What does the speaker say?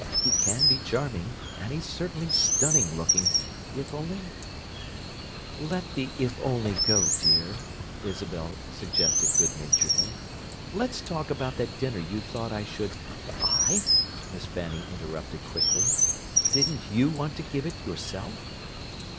He can be charming, and he's certainly stunning looking, if only—" "Let the 'if only' go, dear," Isabel suggested good naturedly. "Let's talk about that dinner you thought I should—" "I?" Miss Fanny interrupted quickly. "Didn't you want to give it yourself?"